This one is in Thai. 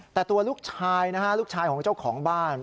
แต่ตัวลูกชายนะฮะลูกชายของเจ้าของบ้าน